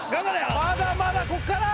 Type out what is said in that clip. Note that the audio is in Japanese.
まだまだここから！